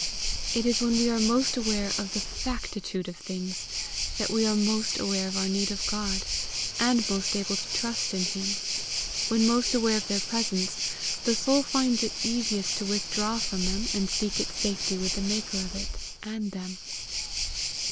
It is when we are most aware of the FACTITUDE of things, that we are most aware of our need of God, and most able to trust in him; when most aware of their presence, the soul finds it easiest to withdraw from them, and seek its safety with the maker of it and them.